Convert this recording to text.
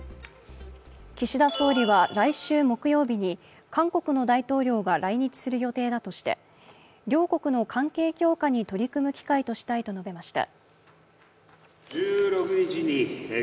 岸田総理は、来週木曜日に韓国の大統領が来日する予定だとして両国の関係強化に取り組む機会としたいと述べました。